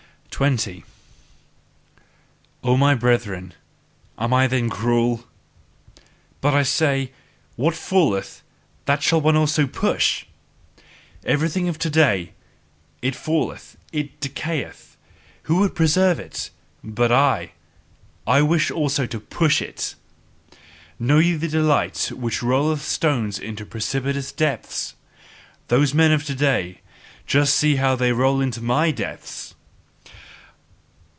20. O my brethren, am I then cruel? But I say: What falleth, that shall one also push! Everything of to day it falleth, it decayeth; who would preserve it! But I I wish also to push it! Know ye the delight which rolleth stones into precipitous depths? Those men of to day, see just how they roll into my depths!